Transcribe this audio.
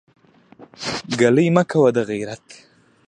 ګلې مه کوه دغېرت.